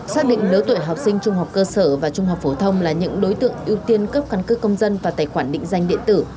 xác định lứa tuổi học sinh trung học cơ sở và trung học phổ thông là những đối tượng ưu tiên cấp căn cước công dân và tài khoản định danh điện tử